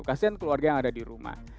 kasian keluarga yang ada di rumah